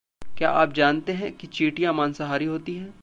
क्या आप जानते हैं कि चीटियां मांसाहारी होती हैं?